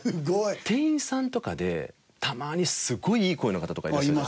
店員さんとかでたまにすごいいい声の方とかいらっしゃる。